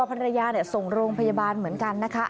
ภรรยาส่งโรงพยาบาลเหมือนกันนะคะ